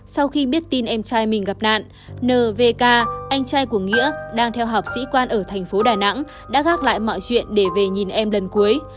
sau khi biết tin em trai mình gặp nạn nvk anh trai của nghĩa đang theo học sĩ quan ở thành phố đà nẵng đã gác lại mọi chuyện để về nhìn em lần cuối